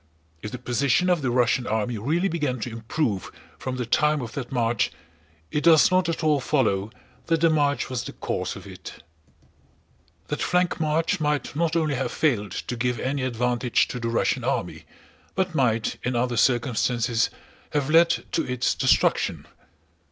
If the position of the Russian army really began to improve from the time of that march, it does not at all follow that the march was the cause of it. That flank march might not only have failed to give any advantage to the Russian army, but might in other circumstances have led to its destruction.